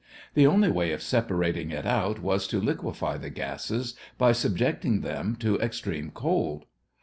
The only way of separating it out was to liquefy the gases by subjecting them to extreme cold.